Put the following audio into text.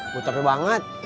gue capek banget